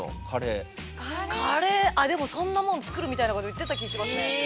カレーあっでもそんなもん作るみたいなこと言ってた気しますね。